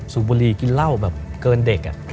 สูบบุรีกินเหล้าแบบเกินเด็ก